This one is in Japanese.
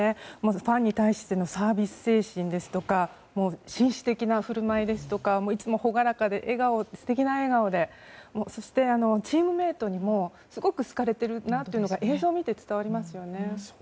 ファンに対してのサービス精神ですとか紳士的な振る舞いですとかいつも朗らかで素敵な笑顔でそしてチームメートにもすごく好かれているというのが映像を見て伝わりますよね。